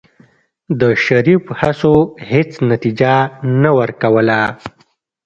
د شريف هڅو هېڅ نتيجه نه ورکوله.